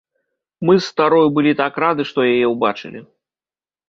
Мы з старою так былі рады, што яе ўбачылі!